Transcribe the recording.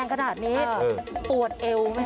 ทุกข้าทุกข้าทุกข้า